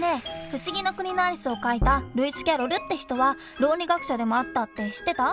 「不思議の国のアリス」を書いたルイス・キャロルって人は論理学者でもあったって知ってた？